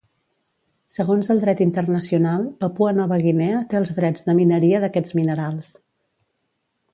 Segons el dret internacional, Papua Nova Guinea té els drets de mineria d'aquests minerals.